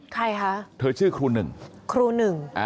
ใครคะเธอชื่อครูหนึ่งครูหนึ่ง